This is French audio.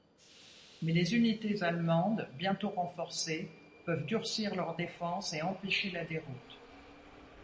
Mais les unités allemandes, bientôt renforcées, peuvent durcir leur défense et empêcher la déroute.